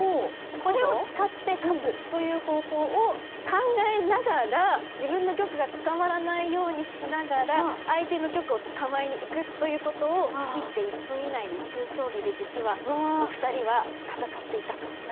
これを使って勝つという方法を考えながら自分の玉が捕まらないようにしながら相手の玉を捕まえにいくということを１手１分以内の１分将棋で実はお二人は戦っていたと。